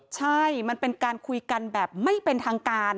ใช่มันเป็นการคุยกันแบบไม่เป็นทางการ